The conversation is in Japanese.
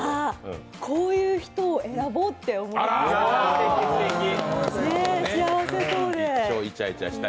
こういう人を選ぼうって思いました。